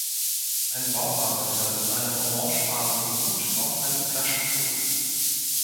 Ein Bauarbeiter mit einem orangefarbenen Hut auf einem Flaschenzug.